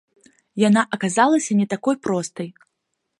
Яна аказалася не такой простай.